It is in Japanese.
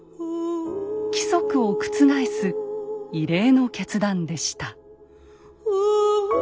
規則を覆す異例の決断でした。